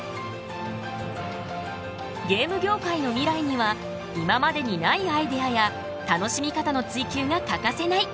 ゲーム業界の未来には今までにないアイデアや楽しみ方の追求が欠かせない。